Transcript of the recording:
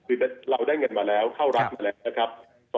คือเราได้เงินมาแล้วเข้ารัฐอยู่แล้วนะครับ